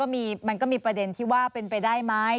มันก็มีประเด็นที่ว่าเป็นไปได้ไหม